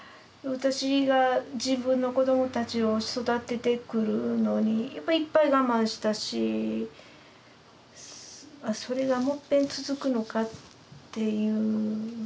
私が自分の子どもたちを育ててくるのにいっぱい我慢したしそれがもっぺん続くのかっていう